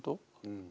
うん。